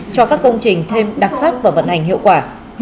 cho các công trình thêm đặc sắc và vận hành hiệu quả